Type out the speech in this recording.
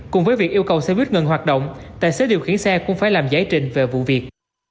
cùng với việc yêu cầu xe buýt ngừng hoạt động tài xế điều khiển xe cũng phải làm giải trình về vụ việc